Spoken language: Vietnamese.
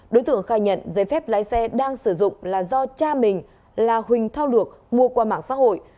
đối tượng khai nhận giấy phép lái xe đang sử dụng là do cha mình là huỳnh thao lược mua qua mạng xã hội